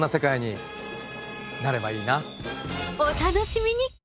お楽しみに！